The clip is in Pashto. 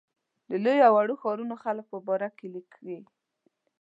د لویو او وړو ښارونو خلکو په باره کې لیکي.